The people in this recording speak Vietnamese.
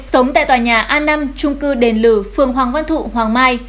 sống tại tòa nhà a năm trung cư đền lử phường hoàng văn thụ hoàng mai